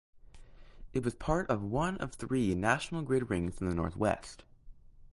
It was part of one of three national grid rings in the northwest.